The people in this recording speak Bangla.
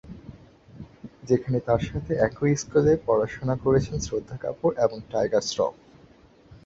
যেখানে তার সাথে একই স্কুলে পড়াশোনা করেছেন শ্রদ্ধা কাপুর এবং টাইগার শ্রফ।